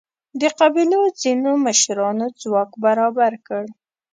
د قبیلو ځینو مشرانو ځواک برابر کړ.